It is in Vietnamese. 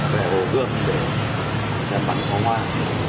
về hồ gương để xem bắn phó hoa